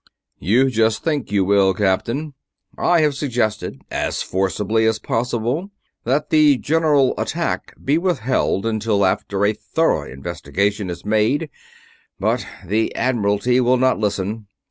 "You just think you will, Captain. I have suggested, as forcibly as possible, that the general attack be withheld until after a thorough investigation is made, but the Admiralty will not listen.